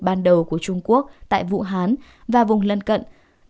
ban đầu của trung quốc tại vũ hán và vùng lân cận